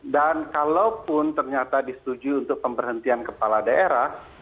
dan kalaupun ternyata disetujui untuk pemberhentian kepala daerah